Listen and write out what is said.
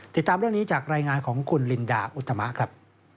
ติดตามเรื่องนี้จากรายงานของคุณลินดาอุตมะครับ